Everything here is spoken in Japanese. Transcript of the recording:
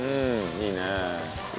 いいね。